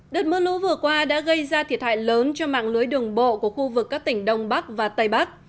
đợt mưa lũ vừa qua đã gây ra thiệt hại lớn cho mạng lưới đường bộ của khu vực các tỉnh đông bắc và tây bắc